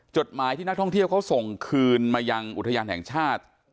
จดหมายที่นักท่องเที่ยวเขาส่งคืนมายังอุทยานแห่งชาติ